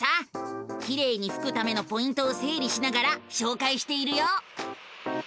きれいにふくためのポイントをせいりしながらしょうかいしているよ！